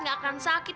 gak akan sakit